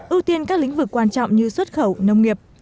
ưu tiên các lĩnh vực quan trọng như xuất khẩu nông nghiệp